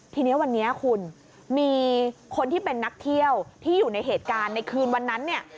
ทีนี้วันนี้คุณมีคนที่เป็นนักเที่ยวที่อยู่ในเหตุการณ์ในคืนวันนั้นเนี่ย